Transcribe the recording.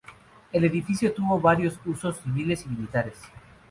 El edificio tuvo varios usos civiles y militares.